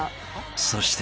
［そして］